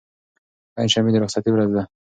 پنجشنبه د رخصتۍ ورځ ده.